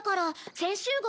先週号！？